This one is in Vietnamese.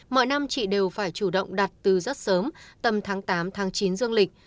mọi năm chị đều phải chủ động đặt từ rất sớm tầm tháng tám tháng chín dương lịch